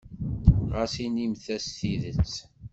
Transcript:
Ɣas inimt-as tidet.